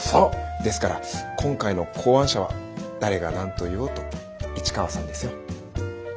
ですから今回の考案者は誰が何と言おうと市川さんですよ。